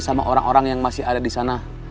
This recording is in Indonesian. sama orang orang yang masih ada di sana